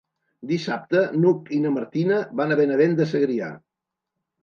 Dissabte n'Hug i na Martina van a Benavent de Segrià.